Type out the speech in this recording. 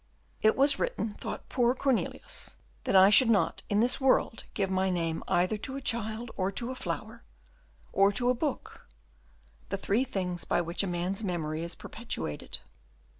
"It was written," thought poor Cornelius, "that I should not in this world give my name either to a child to a flower, or to a book, the three things by which a man's memory is perpetuated."